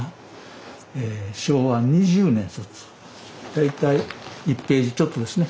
大体１ページちょっとですね